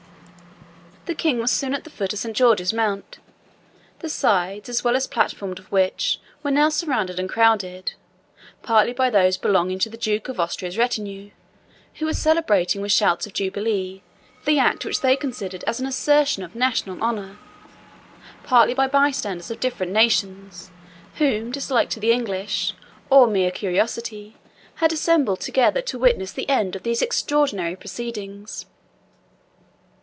The King was soon at the foot of Saint George's Mount, the sides as well as platform of which were now surrounded and crowded, partly by those belonging to the Duke of Austria's retinue, who were celebrating, with shouts of jubilee, the act which they considered as an assertion of national honour; partly by bystanders of different nations, whom dislike to the English, or mere curiosity, had assembled together to witness the end of these extraordinary proceedings.